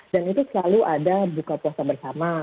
dan itu selalu ada buka puasa bersama